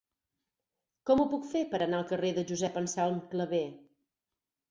Com ho puc fer per anar al carrer de Josep Anselm Clavé?